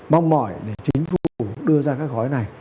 mong mỏi để chính phủ đưa ra các gói này